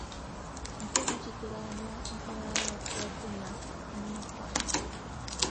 nke nọchitere anya mpaghara atọ dị na Nnokwa